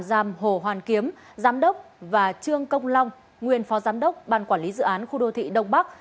giam hồ hoàn kiếm giám đốc và trương công long nguyên phó giám đốc ban quản lý dự án khu đô thị đông bắc